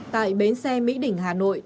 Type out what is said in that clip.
tại bến xe mỹ đỉnh hà nội